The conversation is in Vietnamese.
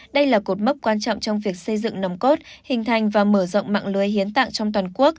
đây là cột mốc quan trọng trong việc xây dựng nòng cốt hình thành và mở rộng mạng lưới hiến tạng trong toàn quốc